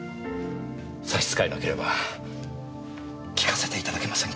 差し支えなければ聞かせていただけませんか？